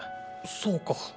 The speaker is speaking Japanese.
そうか。